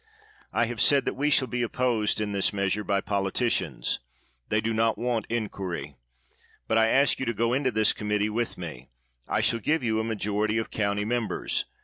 I have said that we shall be opposed in this meas ure by politicians; they do not want inquiry. But I ask you to go into this committee with me. I will give you a majoritv of county mem bers.